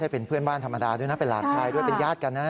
เป็นเพื่อนบ้านธรรมดาด้วยนะเป็นหลานชายด้วยเป็นญาติกันนะ